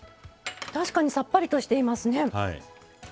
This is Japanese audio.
確かにさっぱりしていますね。